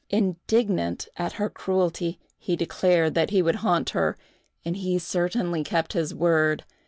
Indignant at her cruelty, he declared that he would haunt her, and he certainly kept his word.